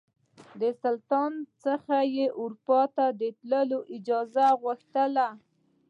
د سلطان څخه یې اروپا ته د تللو اجازه وغوښتله.